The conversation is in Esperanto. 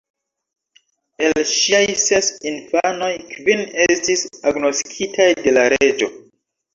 El ŝiaj ses infanoj, kvin estis agnoskitaj de la reĝo.